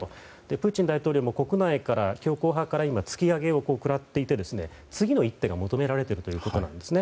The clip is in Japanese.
プーチン大統領も今、国内の強硬派から突き上げを食らっていて次の一手が求められているんですね。